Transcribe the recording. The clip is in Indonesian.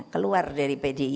keluar dari pdi